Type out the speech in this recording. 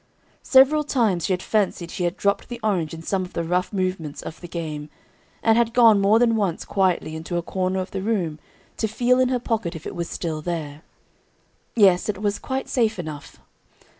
Several times she had fancied she had dropped the orange in some of the rough movements of the games, and had gone more than once quietly into a corner of the room to feel in her pocket if it was still there. Yes, it was quite safe enough.